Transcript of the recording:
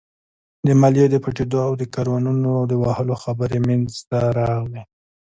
د ماليې د پټېدو او د کاروانونو د وهلو خبرې مينځته راغلې.